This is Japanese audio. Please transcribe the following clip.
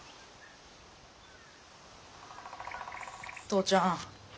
父ちゃん